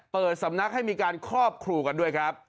เปิดสำนักให้มีการครอบครูกันด้วยครับ